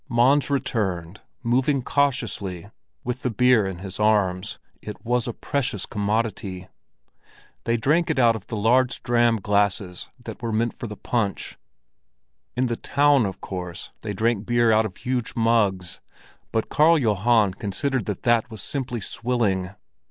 Mons returned, moving cautiously, with the beer in his arms; it was a precious commodity. They drank it out of the large dram glasses that were meant for the punch. In the town, of course, they drank beer out of huge mugs, but Karl Johan considered that that was simply swilling.